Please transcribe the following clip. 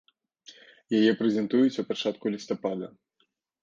Яе прэзентуюць у пачатку лістапада.